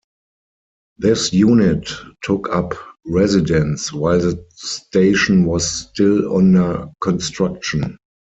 This unit took up residence while the station was still under construction.